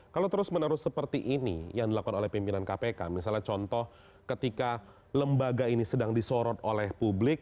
kalau terus menerus seperti ini yang dilakukan oleh pimpinan kpk misalnya contoh ketika lembaga ini sedang disorot oleh publik